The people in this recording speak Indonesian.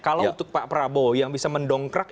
kalau untuk pak prabowo yang bisa mendongkrak